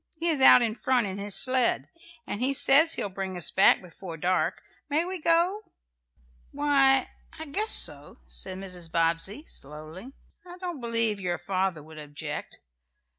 He is out in front in his sled, and he says he'll bring us back before dark. May we go?" "Why, I guess so," said Mrs. Bobbsey, slowly. "I don't believe your father would object.